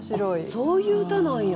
あっそういう歌なんや。